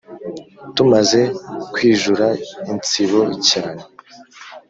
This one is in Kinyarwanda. Tumaze kwijura insibo cyane